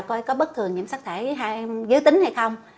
có bất thường nhiễm sắc thể dưới tính hay không